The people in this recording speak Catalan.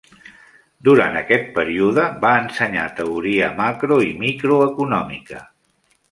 Durant aquest període, va ensenyar teoria macro i microeconòmica.